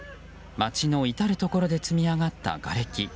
街の至るところで積み上がったがれき。